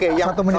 iya bang sevid